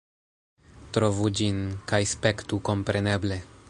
Trovu ĝin, kaj spektu kompreneble.